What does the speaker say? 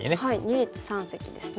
二立三析ですね。